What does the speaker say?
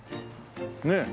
ねえ。